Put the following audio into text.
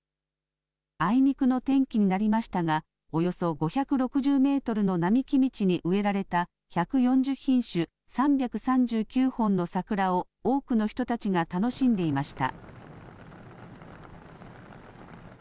あいにくの天気になりましたがおよそ５６０メートルの並木道に植えられた１４０品種、３３９本の桜を多くの人たちが楽しんでいました。